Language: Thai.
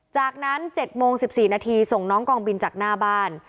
จากนั้น๗โมง๑๔นาทีส่งน้องกองบินจากหน้าบ้าน